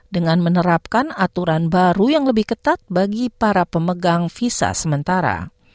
dengan menerapkan aturan baru yang lebih ketat bagi para pemegang visa sementara